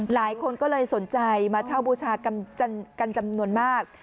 หลายคนก็เลยสนใจมาเช่าบูชากันจำนวนมาก